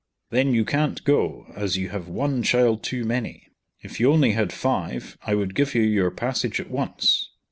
"Then you can't go, as you have one child too many. If you only had five I would give you your passage at once."